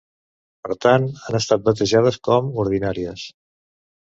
Per tant, han estat batejades com "ordinàries".